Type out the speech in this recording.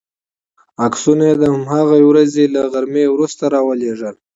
عکسونه یې د هماغې ورځې له غرمې وروسته را ولېږل.